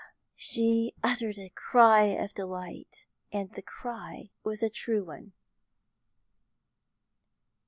She uttered a cry of delight, and the cry was a true one.